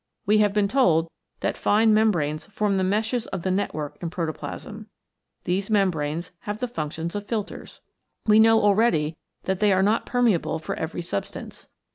We have been told that fine membranes form the meshes of the network in protoplasm. These membranes have the function of niters. We know already that they are not permeable for every substance.